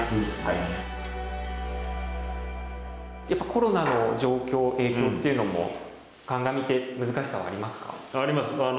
やっぱコロナの状況影響っていうのも鑑みて難しさはありますか？